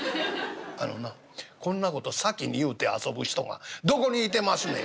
『あのなこんな事先に言うて遊ぶ人がどこにいてますねん！』